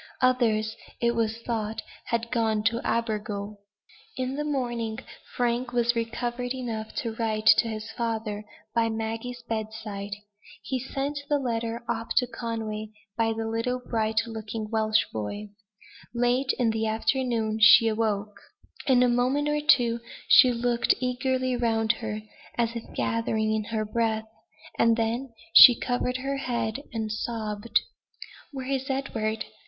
Others, it was thought, had gone to Abergele. In the morning Frank was recovered enough to write to his father, by Maggie's bedside. He sent the letter off to Conway by a little bright looking Welsh boy. Late in the afternoon she awoke. In a moment or two she looked eagerly round her, as if gathering in her breath; and then she covered her head and sobbed. "Where is Edward?"